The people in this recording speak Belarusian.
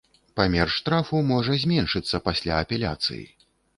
Памер штрафу можа зменшыцца пасля апеляцыі.